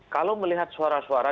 kalau melihat suara suara